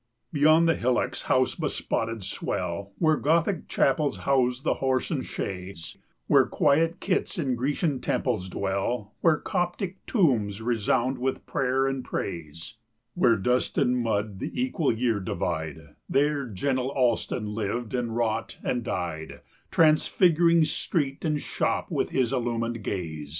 Beyond the hillock's house bespotted swell, Where Gothic chapels house the horse and chaise, Where quiet cits in Grecian temples dwell, 220 Where Coptic tombs resound with prayer and praise, Where dust and mud the equal year divide, There gentle Allston lived, and wrought, and died, Transfiguring street and shop with his illumined gaze.